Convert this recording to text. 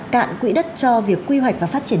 cạn quỹ đất cho việc quy hoạch và phát triển